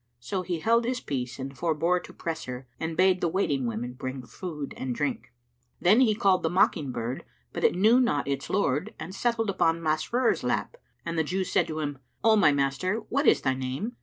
So he held his peace and forbore to press her and bade the waiting women bring food and drink. Then he called the mocking bird but it knew not its lord and settled upon Masrur's lap; and the Jew said to him, "O my master, what is thy name?"